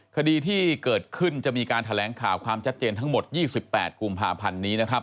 คดีที่เกิดขึ้นจะมีการแถลงข่าวความชัดเจนทั้งหมด๒๘กุมภาพันธ์นี้นะครับ